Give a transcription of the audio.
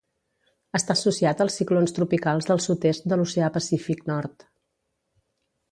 Està associat als ciclons tropicals del sud-est de l'oceà Pacífic Nord.